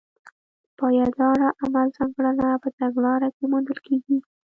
د پایداره عمل ځانګړنه په تګلاره کې موندل کېږي.